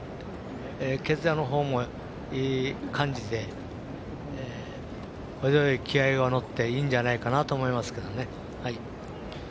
毛づやのほうもいい感じで程よい気合いが乗っていいんじゃないかなと思いますね。